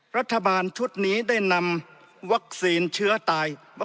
รัฐบาลชุดนี้ได้นำวัคซีนเชื้อตาย